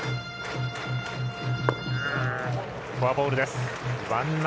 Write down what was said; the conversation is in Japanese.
フォアボールです。